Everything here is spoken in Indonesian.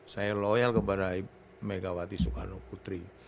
saya loyal kepada megawati soekarno putri